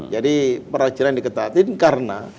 jadi perizinan diketatin karena